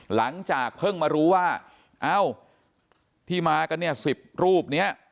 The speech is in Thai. หลังจากเพิ่งมารู้ว่าที่มากัน๑๐รูป